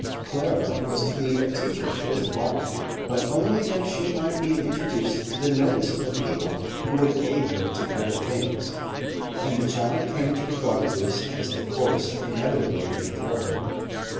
Clara was to be a teacher first of all, but only that she might be introduced to the notice of people who would aid her to better things. And the child came to regard this as the course inevitably before her.